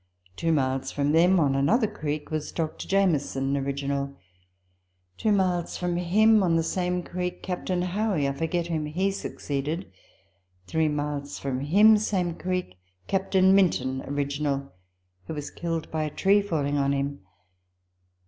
Two miles from them, on another creek, was Dr. Jamieson (original) ; two miles from him, on the same creek, Captain Howey (I forget whom he succeeded) ; three miles from him, same creek, Captain Minton (original), who was killed by a tree falling on him.